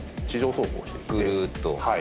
ぐるーっと。